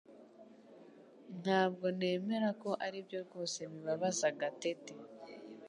Ntabwo nemera ko aribyo rwose bibabaza Gatete